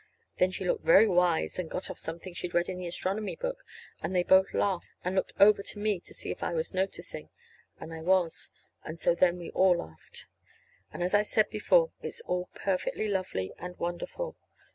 Then she looked very wise and got off something she'd read in the astronomy book. And they both laughed, and looked over to me to see if I was noticing. And I was. And so then we all laughed. And, as I said before, it is all perfectly lovely and wonderful.